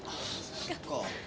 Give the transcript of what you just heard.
そっか。